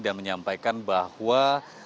dan menyampaikan bahwa